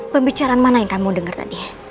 pembicaraan mana yang kamu dengar tadi